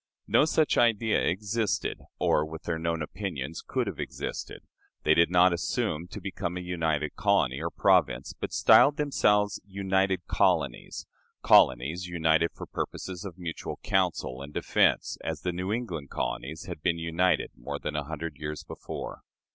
No such idea existed, or with their known opinions could have existed. They did not assume to become a united colony or province, but styled themselves "united colonies" colonies united for purposes of mutual counsel and defense, as the New England colonies had been united more than a hundred years before.